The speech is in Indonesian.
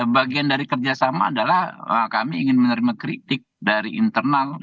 bagian dari kerjasama adalah kami ingin menerima kritik dari internal